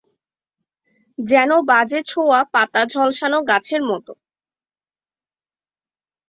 যেন বাজে-ছোঁওয়া পাতা-ঝলসানো গাছের মতো।